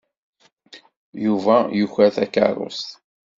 Yuba yuker takeṛṛust.